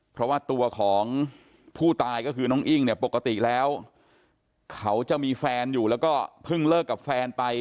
เพราะว่าตัวของผู้ตายก็คือน้องอิ้งเนี่ยปกติแล้วเขาจะมีแฟนอยู่แล้วก็เพิ่งเลิกกับแฟนไป